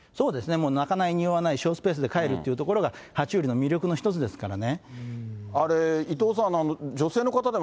もう鳴かない、臭わない、小スペースで飼えるというところがは虫類の魅力の一つですからね。